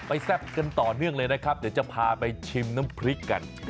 แซ่บกันต่อเนื่องเลยนะครับเดี๋ยวจะพาไปชิมน้ำพริกกัน